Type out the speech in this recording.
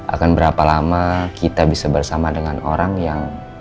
akan berapa lama kita bisa bersama dengan orang yang